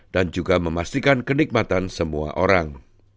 dan juga memastikan kenikmatan semua orang